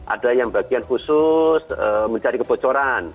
ada yang bagian khusus mencari kebocoran